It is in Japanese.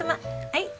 はい。